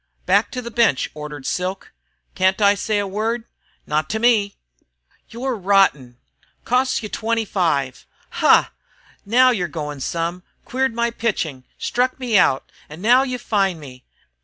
"Back to the bench," ordered Silk. "Can't I say a word?" "Not to me." "You 're rotten!" "Costs you twenty five!" "Ha! Now you 're going some! Queered my pitching, struck me out, and now you fine me.